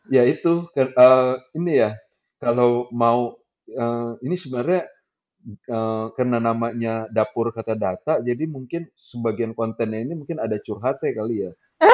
ya itu ini ya kalau mau ini sebenarnya karena namanya dapur kata data jadi mungkin sebagian kontennya ini mungkin ada curhatnya kali ya